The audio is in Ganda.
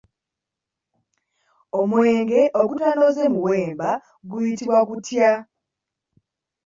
Omwenge ogutanoze muwemba guyitibwa gutya?